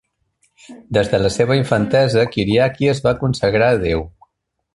Des de la seva infantesa, Kyriaki es va consagrar a Déu.